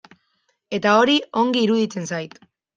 Eta hori ongi iruditzen zait.